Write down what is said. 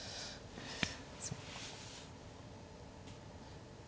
そっか。